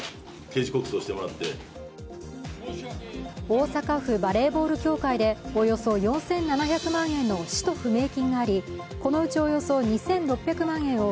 大阪府バレーボール協会でおよそ４７００万円の使途不明金があり、このうちおよそ２６００万円を